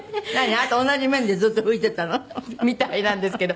あなた同じ面でずっと拭いてたの？みたいなんですけど。